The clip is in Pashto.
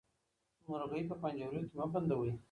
مرغۍ په پنجرو کې مه بندوئ.